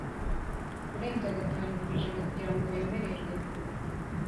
kurenza gatanu ku ijana kugira ngo wemererwe